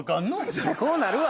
そりゃこうなるわ！